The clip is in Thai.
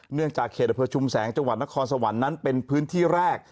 เนื่องจากเขตอำเภอชุมแสงจังหวัดนครสวรรค์นั้นเป็นพื้นที่แรก